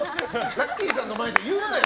ラッキィさんの前で言うなよ！